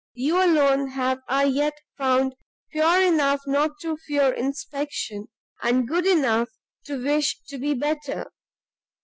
You alone have I yet found pure enough not to fear inspection, and good enough to wish to be better.